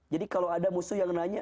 jadi kalau ada musuh yang nanya